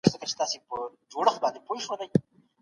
شومپټر اقتصادي پرمختيا له پانګوال نظام سره وتړله.